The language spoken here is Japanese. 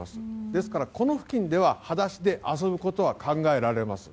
ですから、この付近では裸足で遊ぶことは考えられます。